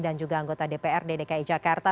dan juga anggota dpr di dki jakarta